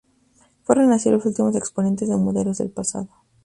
Fueron así los últimos exponentes de modelos del pasado.